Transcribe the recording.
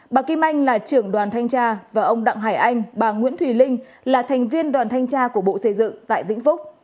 bà kim anh là trưởng đoàn thanh tra và ông đặng hải anh bà nguyễn thùy linh là thành viên đoàn thanh tra của bộ xây dựng tại vĩnh phúc